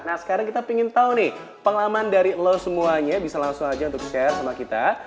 nah sekarang kita ingin tahu nih pengalaman dari lo semuanya bisa langsung aja untuk share sama kita